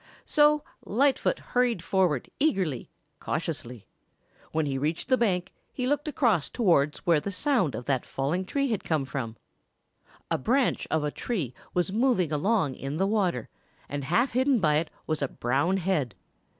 So Lightfoot hurried forward eagerly, cautiously. When he reached the bank he looked across towards where the sound of that falling tree had come from; a branch of a tree was moving along in the water and half hidden by it was a brown head.